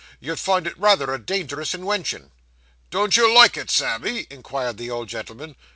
You'll find it rayther a dangerous inwention.' 'Don't you like it, Sammy?' inquired the old gentleman.